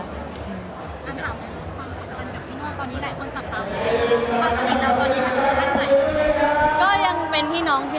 คุณถามความสนใจจากพี่น้องตอนนี้